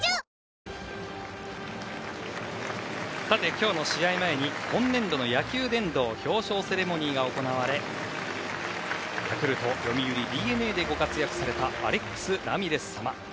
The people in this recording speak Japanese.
今日の試合前に今年度の野球殿堂表彰セレモニーが行われヤクルト、読売、ＤｅＮＡでご活躍されたアレックス・ラミレス様。